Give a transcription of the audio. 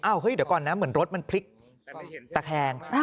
เฮ้ยเดี๋ยวก่อนนะเหมือนรถมันพลิกตะแคง